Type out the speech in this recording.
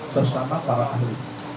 bersama para ahli